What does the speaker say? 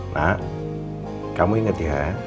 nak kamu ingat ya